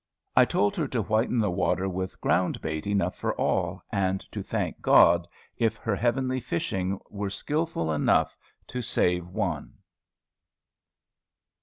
I told her to whiten the water with ground bait enough for all, and to thank God if her heavenly fishing were skilful enough to save one.